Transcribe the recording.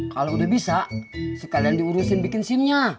kalau udah bisa sekalian diurusin bikin sim nya